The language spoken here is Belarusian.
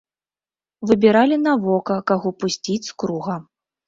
Выбіралі на вока, каго пусціць з круга.